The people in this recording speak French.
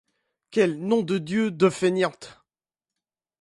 Quelle nom de Dieu de feignante!